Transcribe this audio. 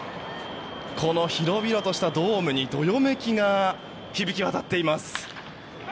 この広々としたドームにどよめきが響き渡っています。